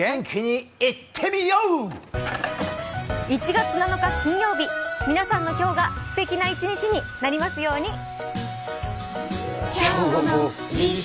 金曜日、皆さんの今日がすてきな一日にになりますように。